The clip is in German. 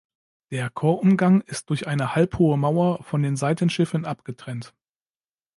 Der Chorumgang ist durch eine halbhohe Mauer von den Seitenschiffen abgetrennt.